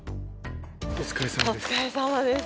お疲れさまです。